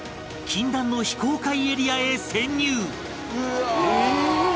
禁断の非公開エリアへ潜入！